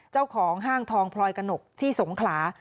เจ้าของห้างทองพลอยกระหนกที่สงขลา